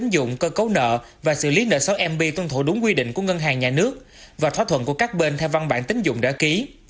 dụng cơ cấu nợ và xử lý nợ xấu mb tuân thủ đúng quy định của ngân hàng nhà nước và thỏa thuận của các bên theo văn bản tính dụng đã ký